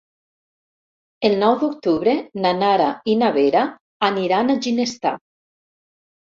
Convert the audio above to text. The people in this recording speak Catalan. El nou d'octubre na Nara i na Vera aniran a Ginestar.